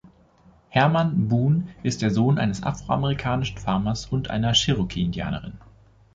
Herman Boone ist der Sohn eines afroamerikanischen Farmers und einer Cherokee-Indianerin.